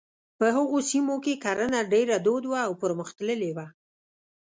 په هغو سیمو کې کرنه ډېره دود وه او پرمختللې وه.